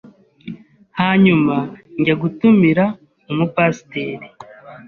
Hanyuma njya gutumira umu Pasteur